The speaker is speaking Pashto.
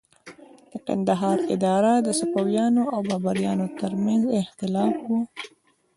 د کندهار اداره د صفویانو او بابریانو تر منځ د اختلاف وه.